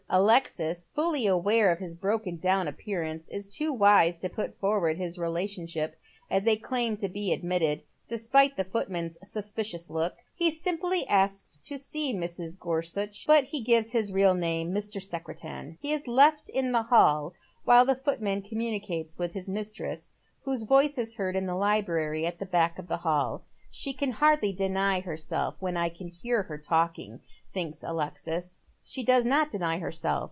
Alexis, fully aware of his broken down appearance, is too wise to put forward his relationship as a claim to be admitted, despite the footman's suspicious look. He simply asks to see Mrs. Gorsuch, but he gives his real name, Mr. Secretan. He is left in the hall while the footman communicates with his mistress, whose voice is heard in the library at the back of the hall. " She can hardly deny herself when I can hear her talking," thinks Alexis. She does not deny herself.